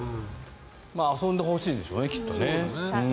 遊んでほしいんでしょうねきっとね。